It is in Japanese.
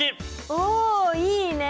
おおいいね！